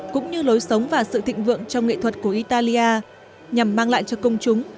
cũng như lối sống và sự thịnh vượng trong nghệ thuật của italia nhằm mang lại cho công chúng